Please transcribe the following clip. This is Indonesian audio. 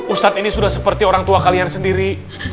ustadz ini sudah seperti orang tua kalian sendiri